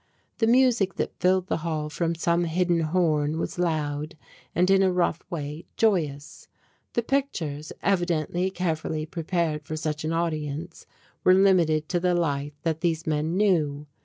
The music that filled the hall from some hidden horn was loud and, in a rough way, joyous. The pictures evidently carefully prepared for such an audience were limited to the life that these men knew.